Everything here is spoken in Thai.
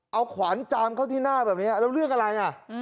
เอาขวานจามเข้าที่หน้าแบบนี้แล้วเรื่องอะไรอ่ะ